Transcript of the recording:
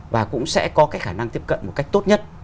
và cũng sẽ có cái khả năng tiếp cận một cách tốt nhất